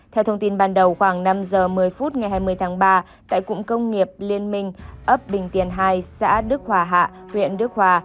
theo thông tin ban đầu khoảng năm giờ một mươi phút ngày hai mươi tháng ba tại cụng công nghiệp liên minh ấp bình tiền hai xã đức hòa hạ huyện đức hòa